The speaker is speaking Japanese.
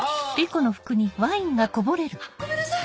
あっごめんなさい！